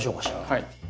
はい。